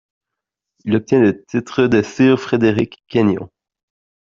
Il obtient le titre de Sir Frederic Kenyon.